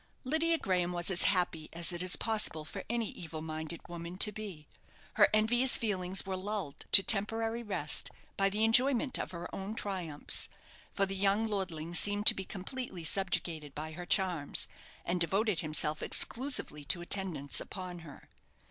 Lydia Graham was as happy as it is possible for any evil minded woman to be. Her envious feelings were lulled to temporary rest by the enjoyment of her own triumphs; for the young lordling seemed to be completely subjugated by her charms, and devoted himself exclusively to attendance upon her.